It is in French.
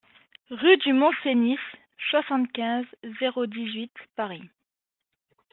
RUE DU MONT CENIS, soixante-quinze, zéro dix-huit Paris